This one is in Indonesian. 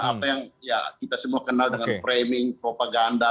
apa yang ya kita semua kenal dengan framing propaganda